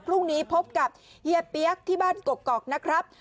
พรุ่งนี้พบกับเฮียเปี๊ยกที่บ้านกกอกนะครับ